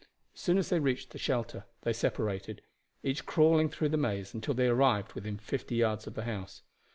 As soon as they reached the shelter they separated, each crawling through the maize until they arrived within fifty yards of the house.